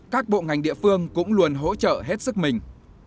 các bộ ngành địa phương cũng luôn hỗ trợ hết sức mình